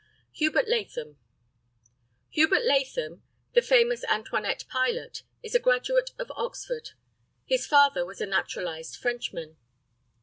HUBERT LATHAM. HUBERT LATHAM, the famous Antoinette pilot, is a graduate of Oxford. His father was a naturalized Frenchman.